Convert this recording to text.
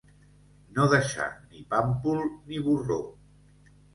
No deixar ni pàmpol ni borró.